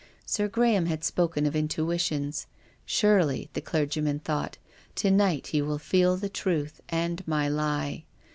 Sir Graham had spoken of intuitions. Surely, the clergyman thought, to night he will feel the truth and my He.